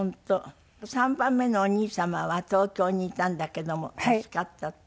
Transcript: ３番目のお兄様は東京にいたんだけども助かったって。